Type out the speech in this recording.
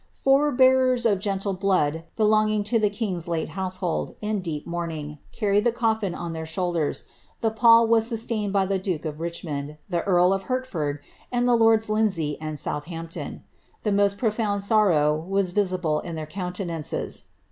Four bearers of gentle blood belonging to the king's late household, in deep mourning, carried the coffin on their shoulders; the pall was sustained by the duke of Richmond, the earl of Hertford^ and the lords Lindsay and Southampton. The most profound sorrow was visible in their countenances.